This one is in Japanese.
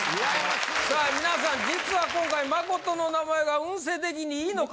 さあ皆さん実は今回誠の名前が運勢的に良いのか？